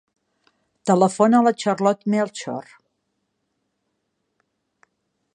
Telefona a la Charlotte Melchor.